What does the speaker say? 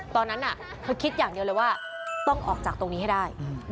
ตอนนั้นเธอคิดอย่างเดียวเลยว่าต้องออกจากตรงนี้ให้ได้